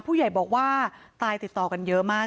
ผู้ใหญ่บอกว่าตายติดต่อกันเยอะมาก